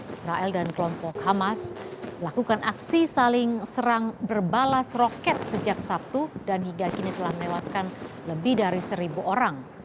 israel dan kelompok hamas melakukan aksi saling serang berbalas roket sejak sabtu dan hingga kini telah menewaskan lebih dari seribu orang